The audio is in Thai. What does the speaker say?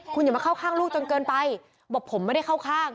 คุณอย่ามาเข้าข้างลูกจนเกินไปบอกผมไม่ได้เข้าข้าง